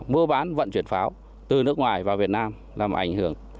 mua bán vận chuyển pháo từ nước ngoài vào việt nam làm ảnh hưởng